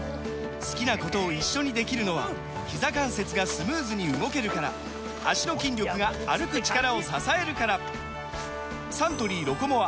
好きなことを一緒にできるのはひざ関節がスムーズに動けるから脚の筋力が歩く力を支えるからサントリー「ロコモア」！